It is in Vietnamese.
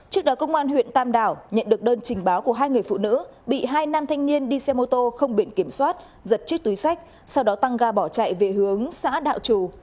trước đó công an huyện tam đảo nhận được đơn trình báo của hai người phụ nữ bị hai nam thanh niên đi xe mô tô không biển kiểm soát giật chiếc túi sách sau đó tăng ga bỏ chạy về hướng xã đạo trù